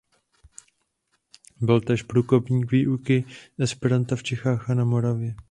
Byl též průkopník výuky esperanta v Čechách a na Moravě.